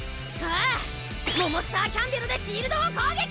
あぁモモスターキャンベロでシールドを攻撃！